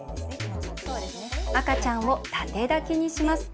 赤ちゃんを縦抱きにします。